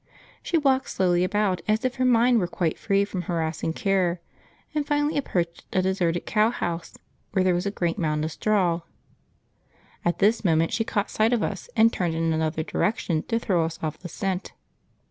She walked slowly about as if her mind were quite free from harassing care, and finally approached a deserted cow house where there was a great mound of straw. At this moment she caught sight of us and turned in another direction to throw us off the scent.